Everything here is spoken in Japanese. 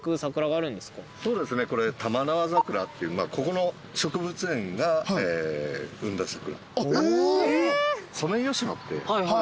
そうですねこれ玉縄桜っていうここの植物園が生んだ桜。